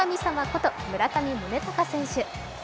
こと村上宗隆選手。